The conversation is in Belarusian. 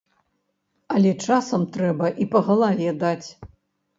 Але часам трэба і па галаве даць.